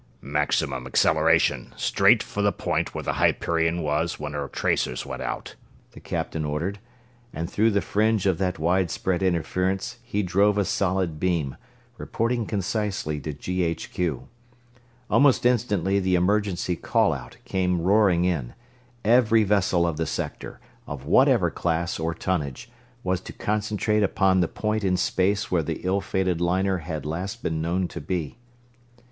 "Maximum acceleration, straight for the point where the Hyperion was when her tracers went out," the captain ordered, and through the fringe of that widespread interference he drove a solid beam, reporting concisely to G. H. Q. Almost instantly the emergency call out came roaring in every vessel of the Sector, of whatever class or tonnage, was to concentrate upon the point in space where the ill fated liner had last been known to be.